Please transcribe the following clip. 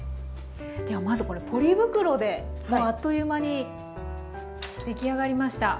ではまずこれポリ袋であっという間にできあがりました。